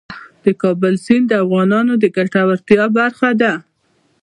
د کابل سیند د افغانانو د ګټورتیا برخه ده.